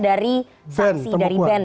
dari sanksi dari ban